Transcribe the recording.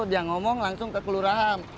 dia ngomong langsung ke kelurahan